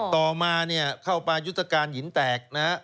ต่อมาเนี่ยเข้าไปยุติการหยินแตกนะครับ